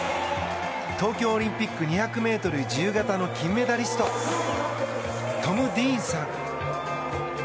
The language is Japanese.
東京オリンピック２００ｍ自由形の金メダリストトム・ディーンさん。